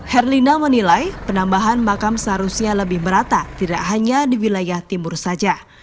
herlina menilai penambahan makam seharusnya lebih merata tidak hanya di wilayah timur saja